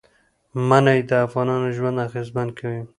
منی د افغانانو ژوند اغېزمن کوي.